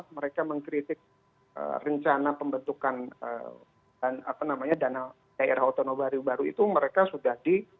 mereka mengkritik rencana pembentukan dan apa namanya dana daerah otonomi baru itu mereka sudah di